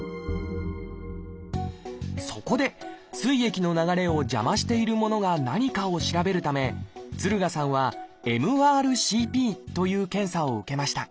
そこで膵液の流れを邪魔しているものが何かを調べるため敦賀さんは「ＭＲＣＰ」という検査を受けました。